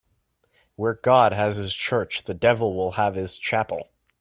Where God has his church, the devil will have his chapel.